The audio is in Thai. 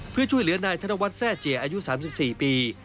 เพื่อช่วยเหลือนายธนวัฒน์แทร่เจียอายุ๓๔ปี